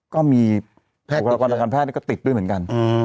ก็มีบุคลากรทางการแพทย์ก็ติดด้วยเหมือนกัน